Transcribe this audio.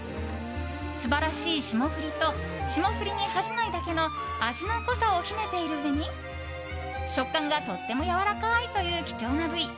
素晴らしい霜降りと霜降りに恥じないだけの味の濃さを秘めているうえに食感がとってもやわらかいという貴重な部位。